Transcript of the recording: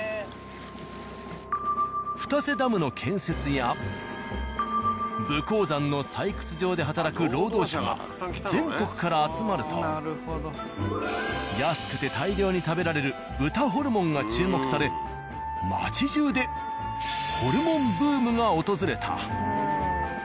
二瀬ダムの建設や武甲山の採掘場で働く労働者が全国から集まると安くて大量に食べられる豚ホルモンが注目され街じゅうでホルモンブームが訪れた。